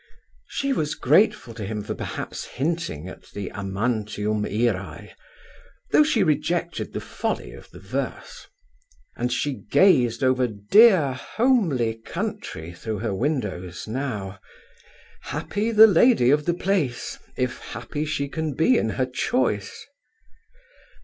She was grateful to him for perhaps hinting at the amantium irae, though she rejected the folly of the verse. And she gazed over dear homely country through her windows now. Happy the lady of the place, if happy she can be in her choice!